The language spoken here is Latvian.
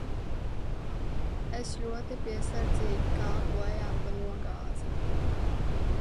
Es ļoti piesardzīgi kāpu lejā pa nogāzi.